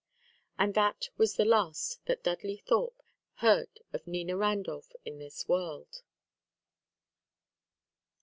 And that was the last that Dudley Thorpe heard of Nina Randolph in this world.